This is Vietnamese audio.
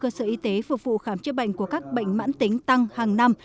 các bệnh mãn tính cũng như cơ sở y tế phục vụ khám chữa bệnh của các bệnh mãn tính tăng hàng năm